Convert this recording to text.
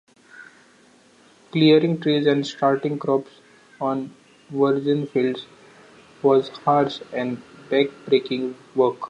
Clearing trees and starting crops on virgin fields was harsh and backbreaking work.